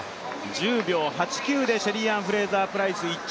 １０秒８９でシェリーアン・フレイザープライス着。